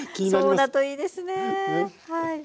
そうだといいですねはい。